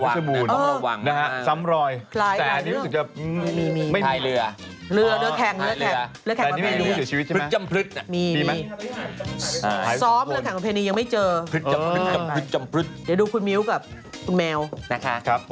ใช่เพราะว่าต้องระวังต้องระวังนะครับ